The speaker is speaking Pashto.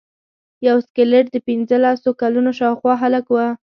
یو سکلیټ د پنځلسو کلونو شاوخوا هلک و.